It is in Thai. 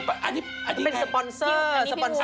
ปูอันนี้อันนี้แค่เป็นสปอนเซอร์